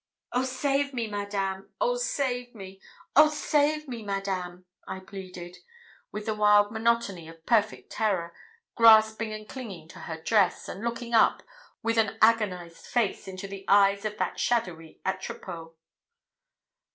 'Oh save me, Madame! oh save me! oh save me, Madame!' I pleaded, with the wild monotony of perfect terror, grasping and clinging to her dress, and looking up, with an agonised face, into the eyes of that shadowy Atropos.